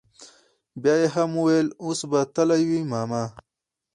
بيا يې هم وويل اوس به تلي وي ماما.